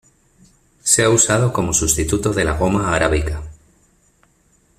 Se ha usado como sustituto de la Goma arábica.